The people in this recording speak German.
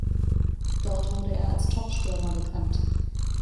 Dort wurde er als Topstürmer bekannt.